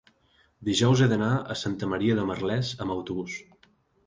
dijous he d'anar a Santa Maria de Merlès amb autobús.